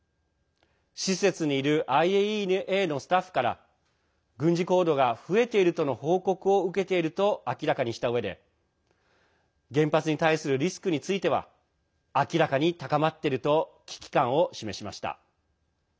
施設にいるＩＡＥＡのスタッフから軍事行動が増えているとの報告を受けていると明らかにしたうえで原発に対するリスクについては明らかに高まっていると危機感を示しました。